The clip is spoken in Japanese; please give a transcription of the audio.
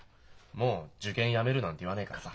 もう「受験やめる」なんて言わねえからさ。